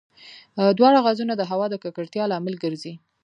دواړه غازونه د هوا د ککړتیا لامل ګرځي.